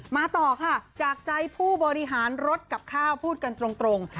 ต่อค่ะจากใจผู้บริหารรถกับข้าวพูดกันตรง